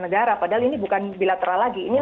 negara padahal ini bukan bilateral lagi ini